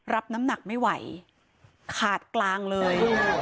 รับน้ำหนักไม่ไหวขาดกลางเลย